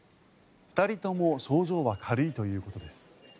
２人とも症状は軽いということです。